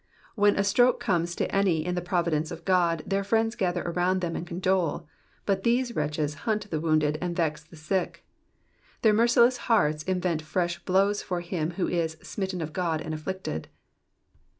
When a stroke comes to any in the providence of God, their friends gather around them and condole, but these wretches hunt the wounded and vex the sick. Their merciless hearts invent fresh blows for him who is '* smitten of God and afflicted."